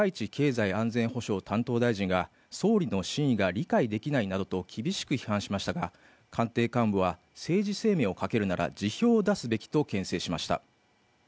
岸田総理の増税方針に週末高市経済安全保障担当大臣が総理の真意が理解できないなどと厳しく批判しましたが官邸幹部は政治生命をかけるなら辞表を出すべきとけん制しました